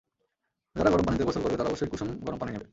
যারা গরম পানিতে গোসল করবে তারা অবশ্যই কুসুম গরম পানি নেবে।